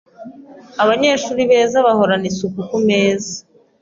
Abanyeshuri beza bahorana isuku kumeza .